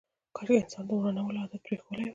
کاشکي انسان د ورانولو عادت پرېښودلی وای.